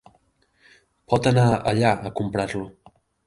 Pot anar allà a comprar-lo.